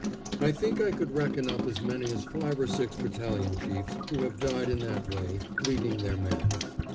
I think I could reckon up as many as five or six battalion chiefs who have died in that way, leading their men.